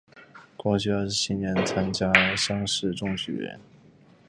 光绪二十七年参加乡试中举人。